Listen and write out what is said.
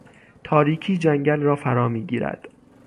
تاریکی جنگل را فرا میگیرد.